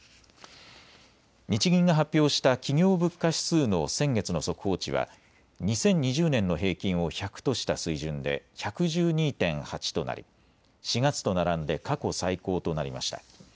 日銀が発表した企業物価指数の先月の速報値は２０２０年の平均を１００とした水準で１１２．８となり４月と並んで過去最高となりました。